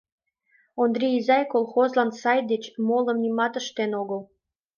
Ондрий изай колхозлан сай деч молым нимат ыштен огыл.